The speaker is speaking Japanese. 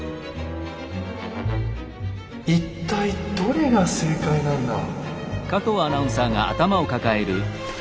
一体どれが正解なんだ。